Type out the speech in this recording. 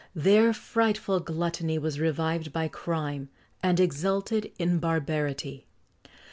Their frightful gluttony was revived by crime, and exulted in barbarity.